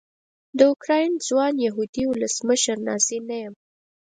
د اوکراین ځوان یهودي ولسمشر نازي نه یم.